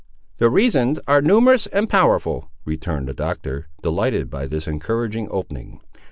"The reasons are numerous and powerful," returned the Doctor, delighted by this encouraging opening.